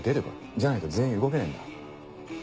じゃないと全員動けねえんだ。